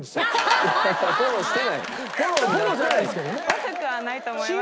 悪くはないと思いますよ。